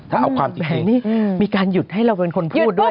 ถ้าเอาความจริงนี่มีการหยุดให้เราเป็นคนพูดด้วย